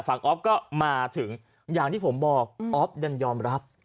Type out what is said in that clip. ออฟก็มาถึงอย่างที่ผมบอกออฟยังยอมรับ